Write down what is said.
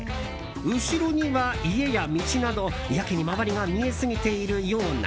後ろには、家や道などやけに周りが見えすぎているような。